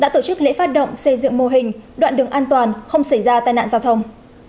đã tổ chức lễ phát động xây dựng mô hình đoạn đường an toàn không xảy ra tai nạn giao thông